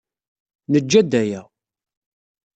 Nejja-d aya.